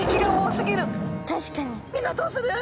「みんなどうする？」。